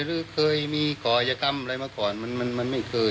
หรือเคยมีก่ออายกรรมอะไรมาก่อนมันไม่เคย